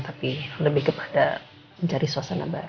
tapi lebih kepada mencari suasana baru